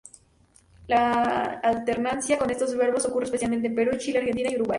La alternancia con estos verbos ocurre especialmente en Perú, Chile, Argentina y Uruguay.